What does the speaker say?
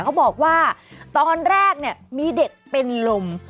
เขาบอกว่าตอนแรกเนี่ยมีเด็กเป็นลม